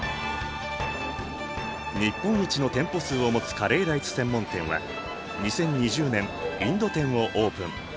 日本一の店舗数を持つカレーライス専門店は２０２０年インド店をオープン。